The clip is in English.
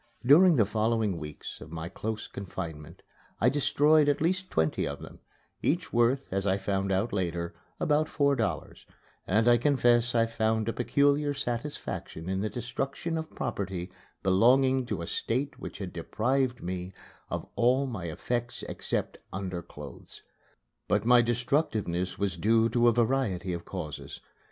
During the following weeks of my close confinement I destroyed at least twenty of them, each worth, as I found out later, about four dollars; and I confess I found a peculiar satisfaction in the destruction of property belonging to a State which had deprived me of all my effects except underclothes. But my destructiveness was due to a variety of causes.